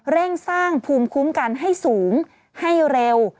เร่งสร้างภูมิคุ้มกันให้สูงให้เร็ว